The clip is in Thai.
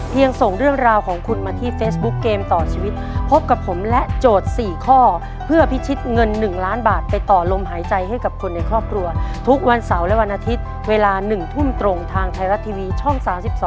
ส่งเรื่องราวของคุณมาที่เฟซบุ๊คเกมต่อชีวิตพบกับผมและโจทย์๔ข้อเพื่อพิชิตเงิน๑ล้านบาทไปต่อลมหายใจให้กับคนในครอบครัวทุกวันเสาร์และวันอาทิตย์เวลา๑ทุ่มตรงทางไทยรัฐทีวีช่อง๓๒